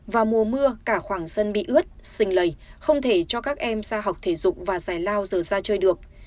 vào mùa mưa cả khoảng sân bị ướt xình lầy không thể cho các em ra học thể dục và giải lao giờ ra chơi được